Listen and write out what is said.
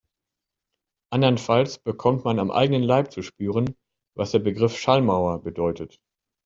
Andernfalls bekommt man am eigenen Leib zu spüren, was der Begriff Schallmauer bedeutet.